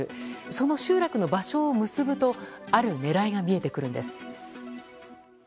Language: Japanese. その集落の場所を結ぶとある狙いが見えてくるんです。